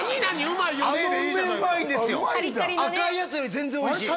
うまいんだ赤いやつより全然おいしい！